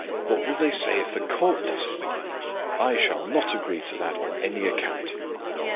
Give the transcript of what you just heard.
What will they say if the Court does it? I, shall not agree to that on any account."